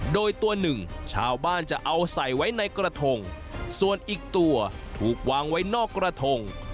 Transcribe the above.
โดยตัวหนึ่งชาวบ้านจะเอาใส่ไว้ในกระทงส่วนอีกตัวถูกวางไว้นอกกระทง